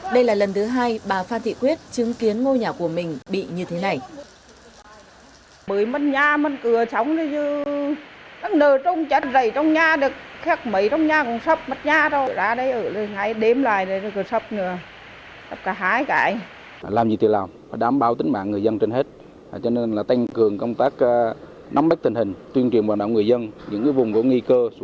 đây là lần thứ hai bà phan thị quyết chứng kiến ngôi nhà của mình bị như thế này